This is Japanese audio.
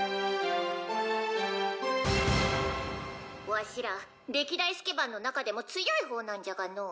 わしら歴代スケ番の中でも強い方なんじゃがのう。